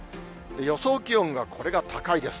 予想気温が、これが高いです。